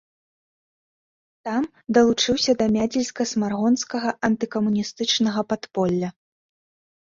Там далучыўся да мядзельска-смаргонскага антыкамуністычнага падполля.